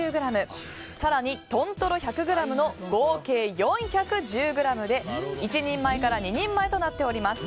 更に、トントロ１００ｇの合計４１０ｇで１人前から２人前となっております。